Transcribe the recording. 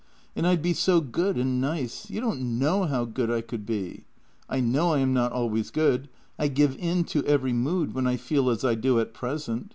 And I'd be so good and nice — you don't know how good I could be. I know I am not al ways good. I give in to every mood when I feel as I do at present.